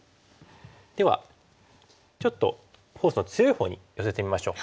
ではちょっとフォースの強いほうに寄せてみましょう。